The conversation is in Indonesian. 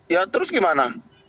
ya terus gimana